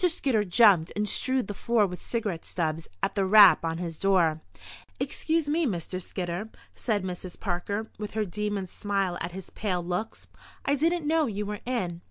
Skidder jumped and strewed the floor with cigarette stubs at the rap on his door. "Excuse me, Mr. Skidder," said Mrs. Parker, with her demon's smile at his pale looks. "I didn't know you were in.